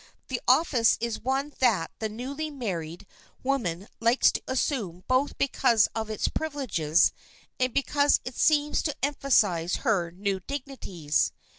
The office is one that the newly married woman likes to assume both because of its privileges and because it seems to emphasize her new dignities.